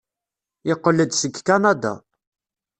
Yeqqel-d seg Kanada.